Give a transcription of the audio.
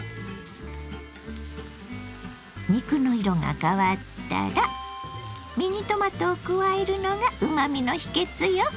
肉の色が変わったらミニトマトを加えるのがうまみの秘けつよ。